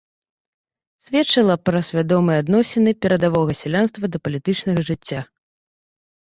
Сведчыла пра свядомыя адносіны перадавога сялянства да палітычнага жыцця.